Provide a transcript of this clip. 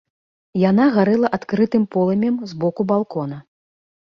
Яна гарэла адкрытым полымем з боку балкона.